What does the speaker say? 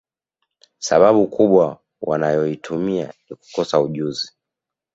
Sababu kubwa wanayoitumia ni kukosa ujuzi